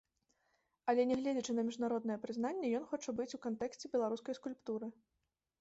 Але нягледзячы на міжнароднае прызнанне ён хоча быць у кантэксце беларускай скульптуры.